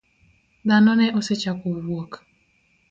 Dhano ne osechako wuok.